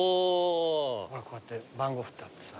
ほらこうやって番号振ってあってさ。